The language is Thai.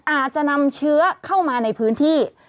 อาจจะนำเชื้อเข้ามาในพื้นที่